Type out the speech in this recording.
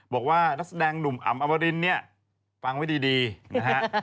บอกว่านักแสดงหนุ่มอำอวรินเนี่ยฟังไว้ดีนะฮะ